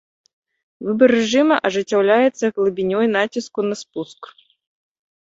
Выбар рэжымаў ажыццяўляецца глыбінёй націску на спуск.